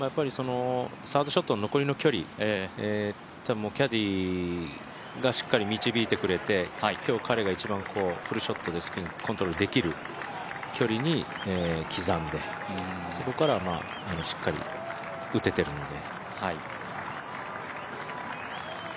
サードショットの残りの距離を、キャディーがしっかり導いてくれて今日、彼が一番、フルショットでスピンコントロールできる距離に刻んでそこからしっかり打てているので。